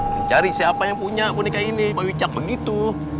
mencari siapa yang punya boneka ini pak wiccah begitu